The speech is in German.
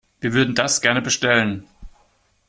Wir würden das gerne bestellen.